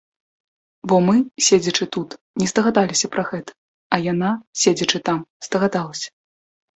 Бо мы, седзячы тут, не здагадаліся пра гэта, а яна, седзячы там, здагадалася.